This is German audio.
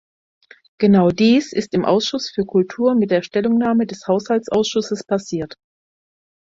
Genau dies ist im Ausschuss für Kultur mit der Stellungnahme des Haushaltsausschusses passiert.